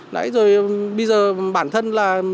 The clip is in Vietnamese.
bây giờ bản thân